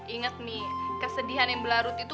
ingat nih kesedihan yang berlarut itu